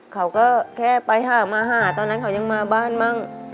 เขาก็แค่ไปหามาหาตอนนั้นเขายังมาบ้านมั่ง